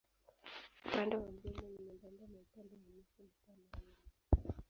Upande wa mdomo ni nyembamba na upande wa mwisho ni pana yenye.